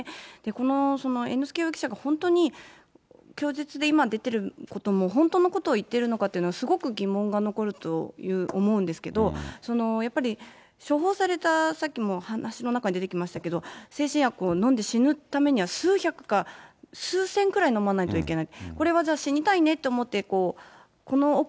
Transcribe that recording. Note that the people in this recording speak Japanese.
この猿之助容疑者が本当に供述で今出てることも本当のことをいってるのかっていうの、すごく疑問が残ると思うんですけど、やっぱり処方された、さっきも話の中に出てきましたけど、精神薬を飲んで死ぬためには数百か数千くらい飲まないといけない。